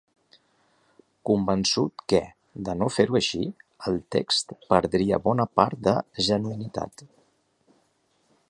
Convençut que, de no fer-ho així, el text perdria bona part de genuïnitat.